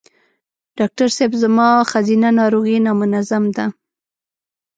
ډاکټر صېب زما ښځېنه ناروغی نامنظم ده